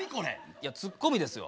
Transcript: いやツッコミですよ。